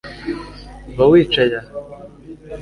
ba wicaye aha